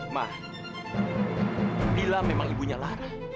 ma lila memang ibunya lara